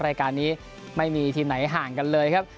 รายการนี้ไม่มีทีมไหนห่างกันเลยครับ